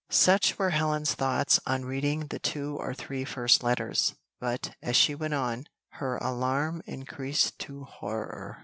Such were Helen's thoughts on reading the two or three first letters, but, as she went on, her alarm increased to horror.